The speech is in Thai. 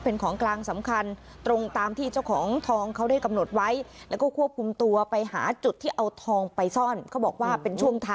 ไปสนามบินเกาะสมุยแล้วก็ไปเจอทองตัวจริงค่ะ